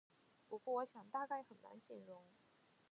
不过我想大概很难形容